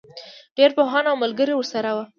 ډېری پوهان او ملګري ورسره وو.